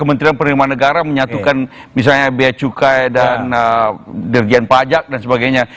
kementerian perhubungan negara menyatukan misalnya biaya cukai dan dirjen pajak dan sebagainya